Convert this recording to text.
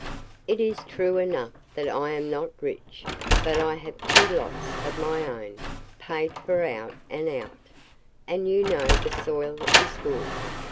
"It is true enough that I am not rich; but I have two lots of my own, paid for out and out, and you know the soil is good.